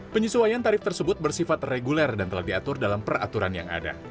penyesuaian tarif tersebut bersifat reguler dan telah diatur dalam peraturan yang ada